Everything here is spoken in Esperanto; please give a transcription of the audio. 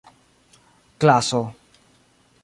klaso